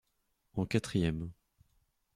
En quatrième.